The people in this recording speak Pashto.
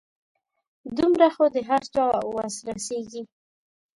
دومره خو د هر چا وس رسيږي .